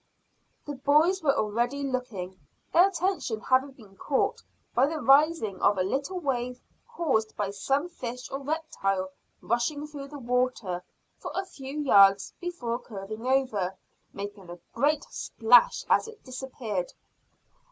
The boys were already looking, their attention having been caught by the rising of a little wave caused by some fish or reptile rushing through the water for a few yards before curving over, making a great splash as it disappeared.